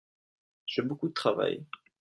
J'ai beaucoup de travail.